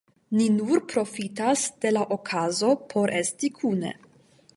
Ni nur profitas de la okazo por esti kune.